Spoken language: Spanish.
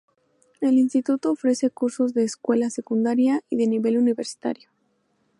El instituto ofrece cursos de escuela secundaria y de nivel universitario.